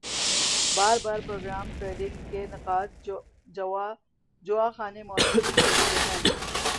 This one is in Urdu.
باربار پروگرام ٹریڈنگ کے نقّاد جواخانہ موضوع چھیڑتے ہیں